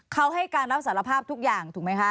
เขาให้การรับสารภาพทุกอย่างถูกไหมคะ